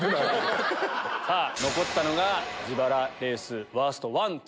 残ったのが自腹レースワーストワンツー。